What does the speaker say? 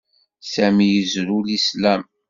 Sami yezrew Lislam.